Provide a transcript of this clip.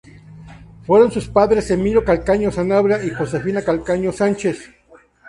Fueron sus padres Emilio Calcaño Sanabria y Josefina Calcaño Sánchez.